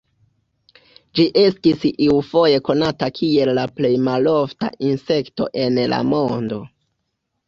Ĝi estis iufoje konata kiel la plej malofta insekto en la mondo.